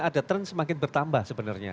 ada tren semakin bertambah sebenarnya